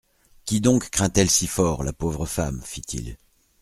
Qui donc craint-elle si fort, la pauvre femme ? fit-il.